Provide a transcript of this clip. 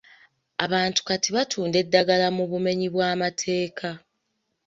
Abantu kati batunda eddagala mu bumenyi bw'amateeka.